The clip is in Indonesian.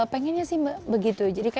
pengennya sih begitu